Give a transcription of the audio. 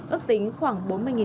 ước tính khoảng bốn mươi